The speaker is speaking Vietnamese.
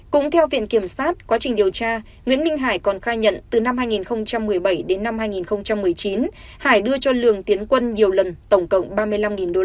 cũng theo viện kiểm sát quá trình điều tra nguyễn minh hải còn khai nhận từ năm hai nghìn một mươi bảy đến năm hai nghìn một mươi chín hải đưa cho lường tiến quân nhiều lần tổng cộng ba mươi năm usd